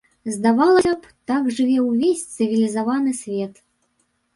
Здавалася б, так жыве ўвесь цывілізаваны свет.